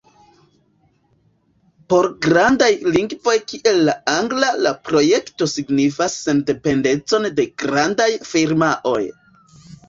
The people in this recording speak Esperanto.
Por grandaj lingvoj kiel la angla la projekto signifas sendependecon de grandaj firmaoj.